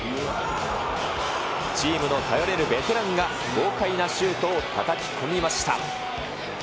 チームの頼れるベテランが豪快なシュートをたたき込みました。